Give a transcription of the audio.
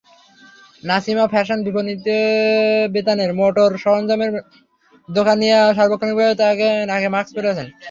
Nasima mansion বিপণিবিতানের motor সরঞ্জামের দোকানিরা সার্বক্ষণিকভাবে নাকে মাস্ক পরে আছেন।